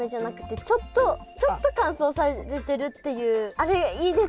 あれいいですね。